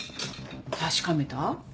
確かめた？